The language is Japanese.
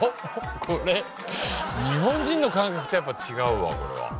これ日本人の感覚とやっぱ違うわこれは。